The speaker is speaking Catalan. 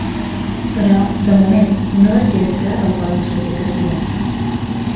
Però, de moment, no és gens clar d’on poden sortir aquests diners.